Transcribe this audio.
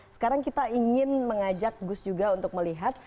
sekarang kita ingin mengajak gus juga untuk melihat